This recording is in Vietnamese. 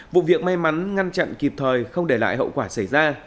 vụ việc may mắn ngăn chặn kịp thời không để lại hậu quả xảy ra